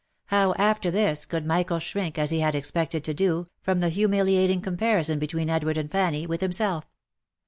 How, after this, could Michael shrink, as he had expected to do, from the humi liating comparison between Edward and Fanny, with himself?